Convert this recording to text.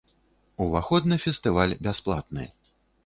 Уваход на фестываль бясплатны.